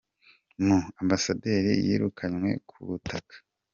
mu Ambasaderi yirukanywe ku butaka.